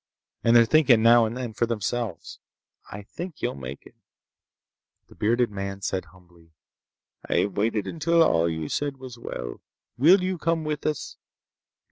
And they're thinking, now and then, for themselves. I think you'll make out." The bearded man said humbly: "I have waited until you said all was well. Will you come with us?"